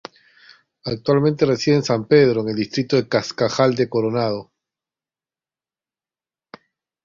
Actualmente reside en San Pedro, en el distrito de Cascajal de Coronado.